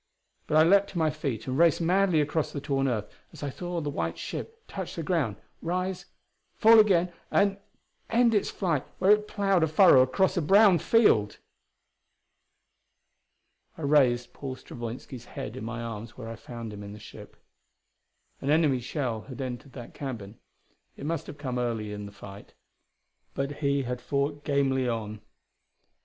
But I leaped to my feet and raced madly across the torn earth as I saw the white ship touch the ground rise fall again and end its flight where it ploughed a furrow across a brown field.... I raised Paul Stravoinski's head in my arms where I found him in the ship. An enemy shell had entered that cabin; it must have come early in the fight, but he had fought gamely on.